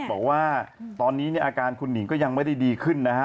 บอกว่าตอนนี้เนี่ยอาการคุณหนิงก็ยังไม่ได้ดีขึ้นนะฮะ